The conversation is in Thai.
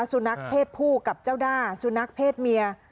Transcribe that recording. สุนัขเพศผู้กับเจ้าด้าสุนัขเพศเมีย